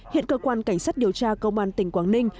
hiện cơ quan cảnh sát điều tra công an tỉnh quảng ninh